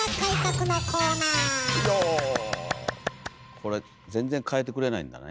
これ全然かえてくれないんだね。